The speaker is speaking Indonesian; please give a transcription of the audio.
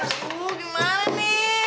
aduh gimana nih